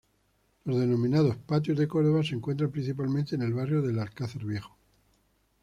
Los denominados Patios de Córdoba se encuentran principalmente en el barrio del Alcázar Viejo.